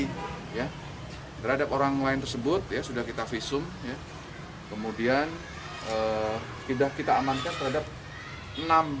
terhadap orang lain tersebut ya sudah kita visum kemudian sudah kita amankan terhadap enam